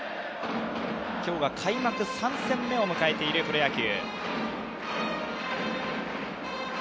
今日が開幕３戦目を迎えているプロ野球。